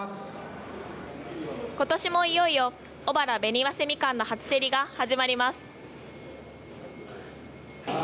ことしもいよいよ小原紅早生ミカンの初競りが始まります。